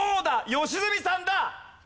良純さんだ！